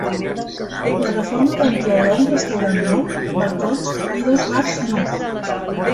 La reforma va incloure un restaurant nou, balcons i dos bars nous.